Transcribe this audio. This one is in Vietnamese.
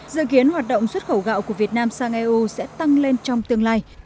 dự kiến hoạt động xuất khẩu gạo của việt nam sang eu sẽ tăng lên trong tương lai